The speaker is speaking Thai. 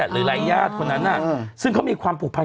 หรือรายญาติคนนั้นซึ่งเขามีความผูกพัน